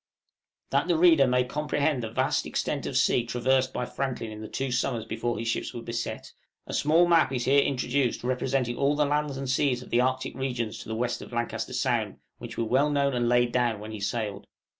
That the reader may comprehend the vast extent of sea traversed by Franklin in the two summers before his ships were beset, a small map (No. 2) is here introduced representing all the lands and seas of the Arctic regions to the west of Lancaster Sound which were known and laid down when he sailed.